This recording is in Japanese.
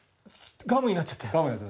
ガムになっちゃった。